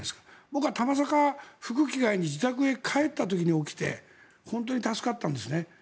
僕は、たまさか自宅へ帰った時に起きて本当に助かったんですね。